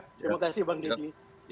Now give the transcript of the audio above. terima kasih bang deddy